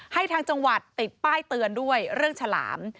ทางจังหวัดติดป้ายเตือนด้วยเรื่องฉลาม